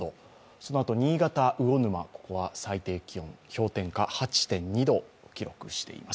そのあと新潟・魚沼、ここは最低気温、氷点下８．２度を記録しています。